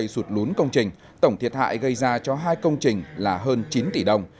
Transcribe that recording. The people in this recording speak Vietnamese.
sụt lún công trình tổng thiệt hại gây ra cho hai công trình là hơn chín tỷ đồng